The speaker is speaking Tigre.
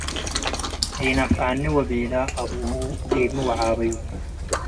ኢነፈዐኒ ወቤለ - አብሁ ዲብሚ ወዓበዩ